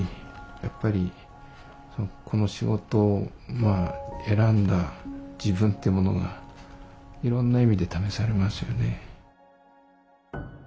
やっぱりこの仕事を選んだ自分っていうものがいろんな意味で試されますよね。